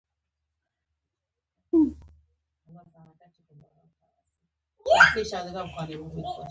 دا د نوښتونو د هڅونې په موخه و.